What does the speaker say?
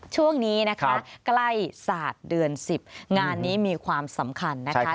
ช่วงนี้นะคะใกล้ศาสตร์เดือน๑๐งานนี้มีความสำคัญนะคะ